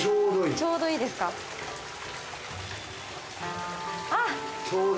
ちょうどいいでしょ。